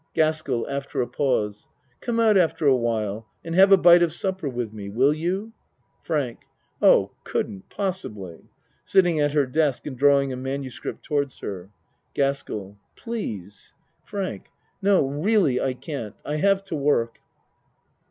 GASKELL (After a pause.) Come out after while and have a bite of supper with me. Will you? FRANK Oh, couldn't possibly. (Sitting at her desk and drawing a MS. towards her.) GASKELL Please. FRANK No really I can't. I have to work.